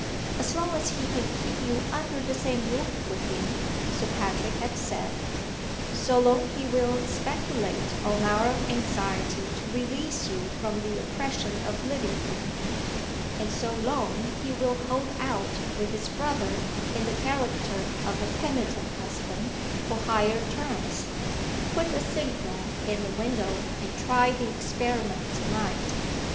"As long as he can keep you under the same roof with him" Sir Patrick had said "so long he will speculate on our anxiety to release you from the oppression of living with him; and so long he will hold out with his brother (in the character of a penitent husband) for higher terms. Put the signal in the window, and try the experiment to night.